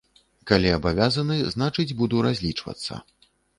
Калі абавязаны, значыць, буду разлічвацца.